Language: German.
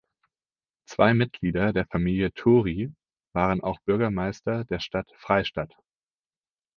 Zwei Mitglieder der Familie Thury waren auch Bürgermeister der Stadt Freistadt.